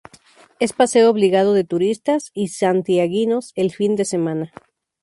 Es paseo obligado de turistas y santiaguinos el fin de semana.